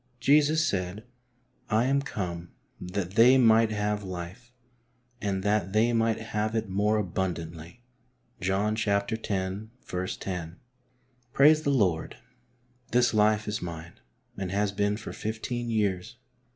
Jesus said :" I am come that they might have life, and that/ they might have it more abundantly" {John x. lo). Praise the Lord, this life is mine, and has been for fifteen years.